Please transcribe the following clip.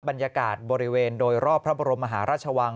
บรรยากาศบริเวณโดยรอบพระบรมมหาราชวัง